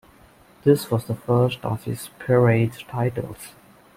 This was the first of his peerage titles.